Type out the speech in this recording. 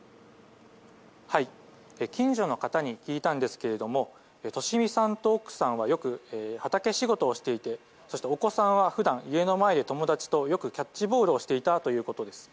近所の方に聞いたんですが利美さんと奥さんはよく畑仕事をしていてそして、お子さんは普段家の前で友達とよくキャッチボールをしていたということです。